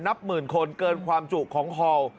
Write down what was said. นับหมื่นคนเกินความจุของฮอล